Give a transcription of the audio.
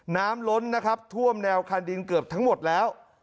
ล้นนะครับท่วมแนวคันดินเกือบทั้งหมดแล้ว